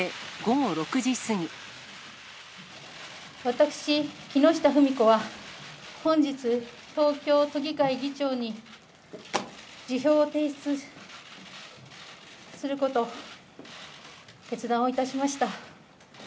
私、木下富美子は、本日、東京都議会議長に辞表を提出すること、決断をいたしました。